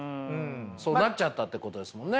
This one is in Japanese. そうなっちゃったってことですもんね。